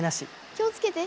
気をつけて。